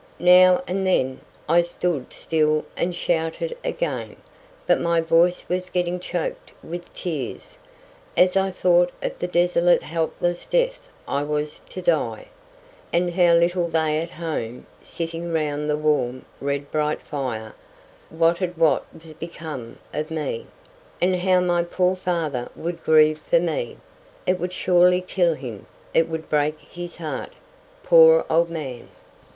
Now and then, I stood still and shouted again; but my voice was getting choked with tears, as I thought of the desolate helpless death I was to die, and how little they at home, sitting round the warm, red, bright fire, wotted what was become of me,—and how my poor father would grieve for me—it would surely kill him—it would break his heart, poor old man!